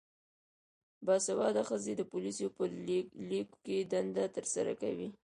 باسواده ښځې د پولیسو په لیکو کې دنده ترسره کوي.